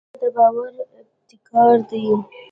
• مینه د باور ابتکار دی.